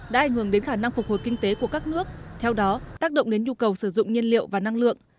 đã ảnh hưởng đến khả năng phục hồi kinh tế của các nước theo đó tác động đến nhu cầu sử dụng nhiên liệu và năng lượng